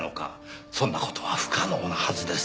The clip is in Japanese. そんな事は不可能なはずです。